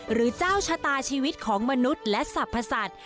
หรือเจ้าชะตาชีวิตของมนุษย์และสรรพสัตว์